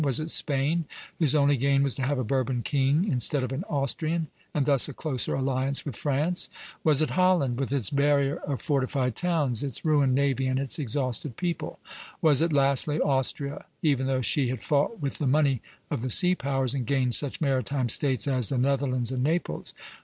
Was it Spain, whose only gain was to have a Bourbon king instead of an Austrian, and thus a closer alliance with France? Was it Holland, with its barrier of fortified towns, its ruined navy, and its exhausted people? Was it, lastly, Austria, even though she had fought with the money of the sea powers, and gained such maritime States as the Netherlands and Naples?